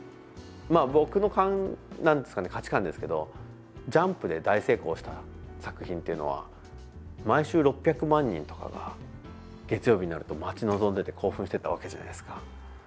僕の価値観ですけど「ジャンプ」で大成功した作品っていうのは毎週６００万人とかが月曜日になると待ち望んでて興奮してたわけじゃないですか。